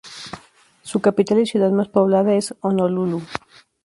Su capital y ciudad más poblada es Honolulu.